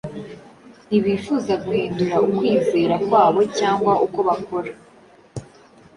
Ntibifuza guhindura ukwizera kwabo cyangwa uko bakora,